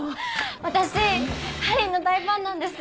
私『ハリー』の大ファンなんです。